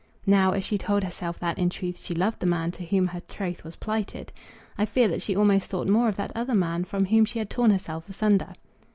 Now, as she told herself that in truth she loved the man to whom her troth was plighted, I fear that she almost thought more of that other man from whom she had torn herself asunder.